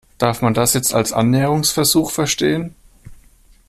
Darf man das jetzt als Annäherungsversuch verstehen?